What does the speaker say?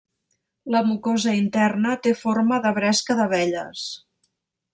La mucosa interna té forma de bresca d'abelles.